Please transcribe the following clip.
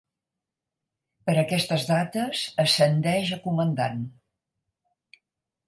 Per aquestes dates ascendeix a comandant.